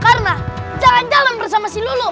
karena jalan jalan bersama si lulu